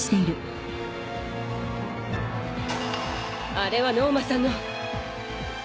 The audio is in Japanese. あれはノーマさんの。